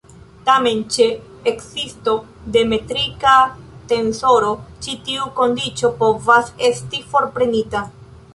Tamen ĉe ekzisto de metrika tensoro ĉi tiu kondiĉo povas esti forprenita.